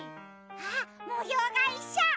あっもようがいっしょ！